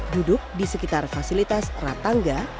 duduk di sekitar fasilitas ratangga